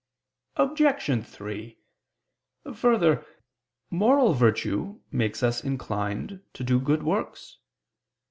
Obj. 3: Further moral virtue makes us inclined to do good works.